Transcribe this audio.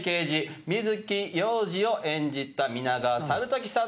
水城洋司を演じた皆川猿時さんです。